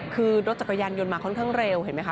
คือรถจักรยานยนต์มาค่อนข้างเร็วเห็นไหมค